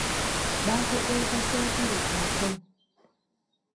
Baategeeza ssentebe ku mukolo.